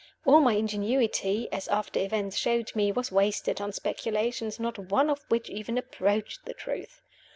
All my ingenuity as after events showed me was wasted on speculations not one of which even approached the truth.